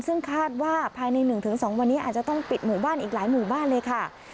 ซึ่งคาดว่าภายใน๑๒วันนี้อาจจะต้องปิดหมู่บ้านอีกหลายหมู่บ้านเลยค่ะ